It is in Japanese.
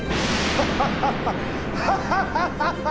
ハハハハハ！